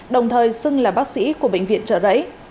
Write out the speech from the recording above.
đồng thời xưng là bác sĩ của bệnh viện trợ rẫy